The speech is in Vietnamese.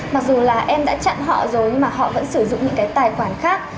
mặc dù là em đã chặn họ rồi nhưng họ vẫn sử dụng những tài khoản khác